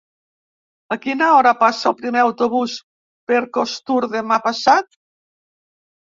A quina hora passa el primer autobús per Costur demà passat?